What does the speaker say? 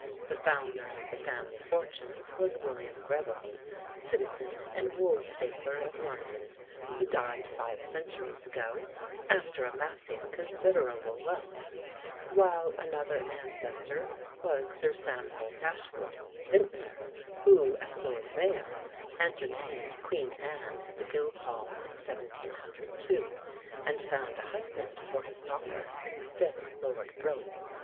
The founder of the family fortunes was William Greville, citizen and woolstapler of London, who died five centuries ago, after amassing considerable wealth; while another ancestor was Sir Samuel Dashwood, vintner, who as Lord Mayor entertained Queen Anne at the Guildhall in 1702, and found a husband for his daughter in the fifth Lord Broke.